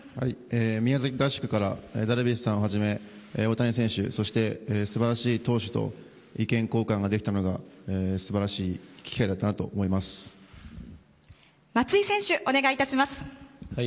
宮崎合宿からダルビッシュさんをはじめ大谷選手、そして素晴らしい投手と意見交換ができたのが素晴らしい機会だったなと松井選手、お願いいたします。